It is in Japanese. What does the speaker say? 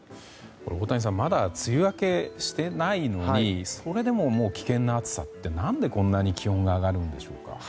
太谷さんまだ梅雨明けしてないのにそれでも危険な暑さって何で、こんな気温が上がるんでしょうか。